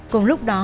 cùng lúc đó